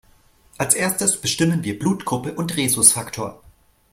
Als Erstes bestimmen wir Blutgruppe und Rhesusfaktor.